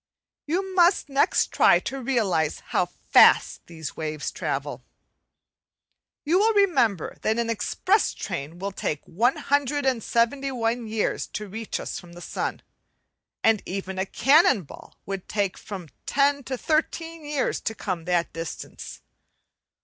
We must next try to realize how fast these waves travel. You will remember that an express train would take 171 years to reach us from the sun; and even a cannon ball would take from ten to thirteen years to come that distance.